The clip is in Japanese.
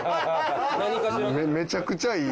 めちゃくちゃいい。